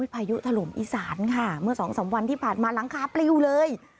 พายุถล่มอีสานค่ะเมื่อสองสามวันที่ผ่านมาหลังคาปลิวเลย